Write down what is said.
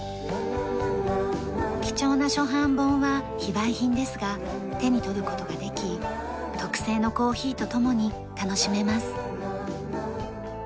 貴重な初版本は非売品ですが手に取る事ができ特製のコーヒーとともに楽しめます。